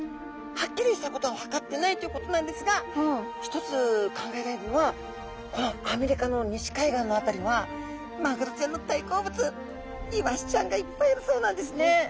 はっきりしたことは分かってないということなんですが一つ考えられるのはこのアメリカの西海岸の辺りはマグロちゃんの大好物イワシちゃんがいっぱいいるそうなんですね。